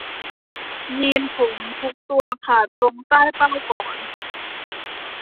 ยีนส์ผมทุกตัวขาดตรงใต้เป้าก่อน